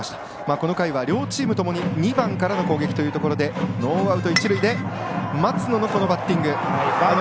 この回は両チームともに２番からの攻撃というところでノーアウト、一塁で松野のバッティング。